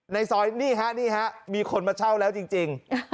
ในซอยนี่ฮะนี่ฮะมีคนมาเช่าแล้วจริง